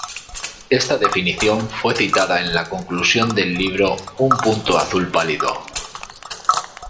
Esta definición fue citada en la conclusión del libro Un punto azul pálido.